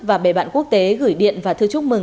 và bề bạn quốc tế gửi điện và thư chúc mừng